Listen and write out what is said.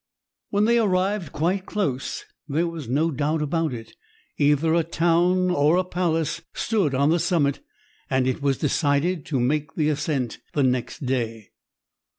When they arrived quite close, there was no doubt about it. Either a town, or a palace, stood on the summit, and it was decided to make the ascent next day.